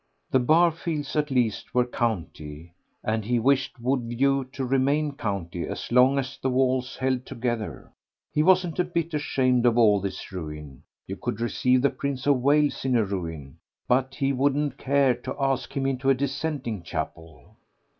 The Barfields at least were county, and he wished Woodview to remain county as long as the walls held together. He wasn't a bit ashamed of all this ruin. You could receive the Prince of Wales in a ruin, but he wouldn't care to ask him into a dissenting chapel.